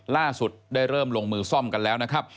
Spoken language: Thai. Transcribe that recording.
ล่าสุดได้เริ่มลงมือซ่อมกันแล้วนะครับ